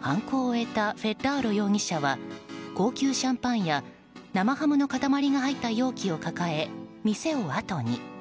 犯行を終えたフェッラーロ容疑者は高級シャンパンや生ハムの塊が入った容器を抱え店をあとに。